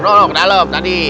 nuh ke dalam tadi